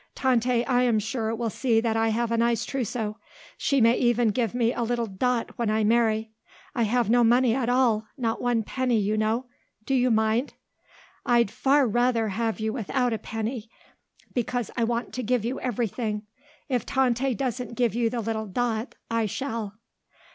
Tante, I am sure, will see that I have a nice trousseau. She may even give me a little dot when I marry. I have no money at all; not one penny, you know. Do you mind?" "I'd far rather have you without a penny because I want to give you everything. If Tante doesn't give you the little dot, I shall."